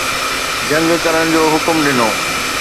جنگ ڪرڻ جو حڪم ڏنو